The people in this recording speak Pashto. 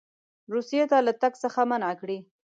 روسیې ته له تګ څخه منع کړي.